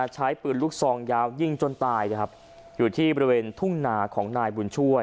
ใช้ปืนลูกซองยาวยิงจนตายนะครับอยู่ที่บริเวณทุ่งนาของนายบุญช่วย